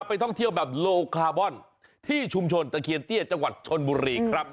ไปท่องเที่ยวแบบโลคาร์บอนที่ชุมชนตะเคียนเตี้ยจังหวัดชนบุรีครับ